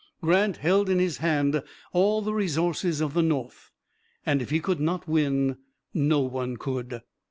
Grant held in his hand all the resources of the North, and if he could not win no one could.